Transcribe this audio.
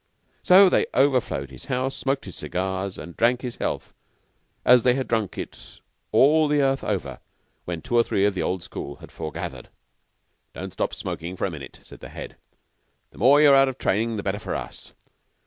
So they overflowed his house, smoked his cigars, and drank his health as they had drunk it all the earth over when two or three of the old school had foregathered. "Don't stop smoking for a minute," said the Head. "The more you're out of training the better for us.